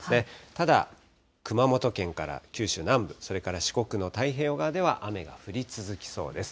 ただ熊本県から九州南部、それから四国の太平洋側では雨が降り続きそうです。